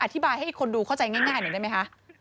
อธิบายให้คนดูเข้าใจง่ายหน่อยได้ไหมคะ